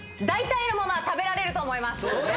大体のものは食べられると思います。